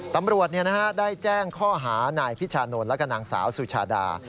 ตำรวจได้แจ้งข้อหานายพิชานนท์แล้วก็นางสาวสุชาดา